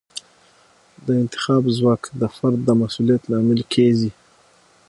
د انتخاب ځواک د فرد د مسوولیت لامل کیږي.